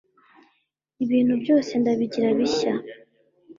ibintu byose ndabigira bishya